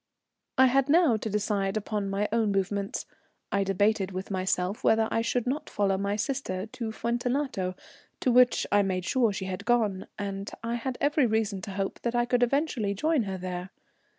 I had now to decide upon my own movements. I debated with myself whether I should not follow my sister to Fuentellato, to which I made sure she had gone, and I had every reason to hope that I could eventually join her there.